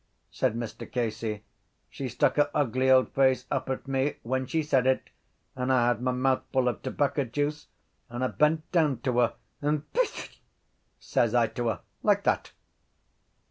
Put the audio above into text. said Mr Casey. She stuck her ugly old face up at me when she said it and I had my mouth full of tobacco juice. I bent down to her and Phth! says I to her like that.